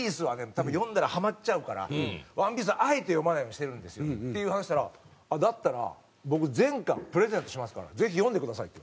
多分読んだらハマっちゃうから『ワンピース』はあえて読まないようにしてるんですよ」っていう話したら「だったら僕全巻プレゼントしますからぜひ読んでください。